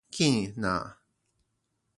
見若